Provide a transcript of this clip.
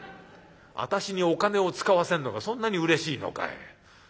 私にお金を使わせるのがそんなにうれしいのかい。